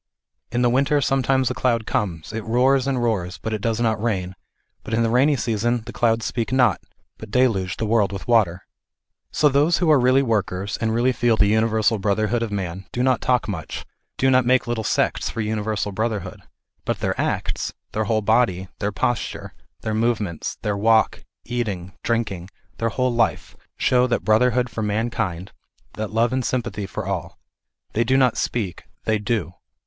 "In the winter sometimes a cloud comes ; it roars and roars, but it does not rain ; but in the rainy season the clouds speak not, but deluge the world with water." So those who are really workers, and really feel the universal brotherhood of man, do not talk much, do not make little sects for universal brotherhood, but their acts, their whole body, their posture, their movements, their walk, eating, drinking, their whole life, show that brotherhood for man THE IDEAL OF A UNIVERSAL RELIGION. 309 kind, that love and sympathy for all. They do not speak, they do.